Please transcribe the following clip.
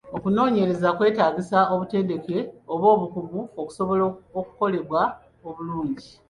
Okunoonyereza kwetaagisa obutendeke oba obukugu okusobola okukolebwa obulungi.